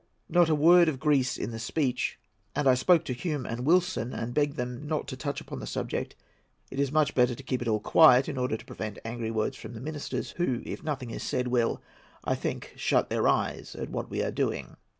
"Not a word of Greece in the Speech, and I spoke to Hume and Wilson, and begged them not to touch upon the subject. It is much better to keep all quiet, in order to prevent angry words from the ministers, who, if nothing is said, will, I think, shut their eyes at what we are doing.